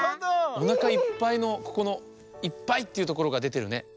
おなかいっぱいのここの「いっぱい」っていうところがでてるね。